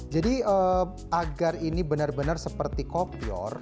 jadi agar ini benar benar seperti kopior